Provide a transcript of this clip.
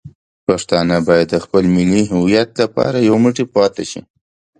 پښتانه باید د خپل ملي هویت لپاره یو موټی پاتې شي.